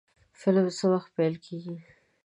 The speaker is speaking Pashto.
فلم څه وخت پیل کیږي؟